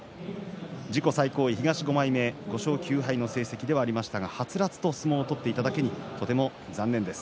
自己最高位東の５枚目５勝９敗の成績で終わりましたがはつらつと相撲を取っていただけに残念です。